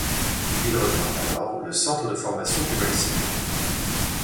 Il rejoint alors le centre de formation du Racing.